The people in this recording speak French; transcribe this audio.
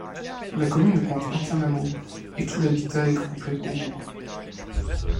La commune ne compte aucun hameau et tout l'habitat est groupé au bourg.